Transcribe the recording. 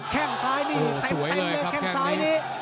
แค่งซ้ายนี่แค่งซ้ายนี่